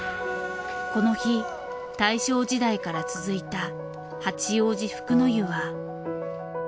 この日大正時代から続いた八王子福の湯は。